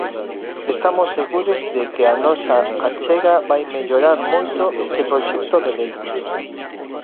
Estamos seguros de que a nosa achega vai mellorar moito este proxecto de lei.